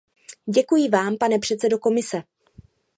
Děkuji vám, pane předsedo Komise.